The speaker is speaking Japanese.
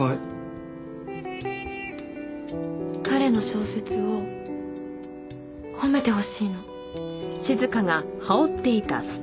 彼の小説を褒めてほしいの。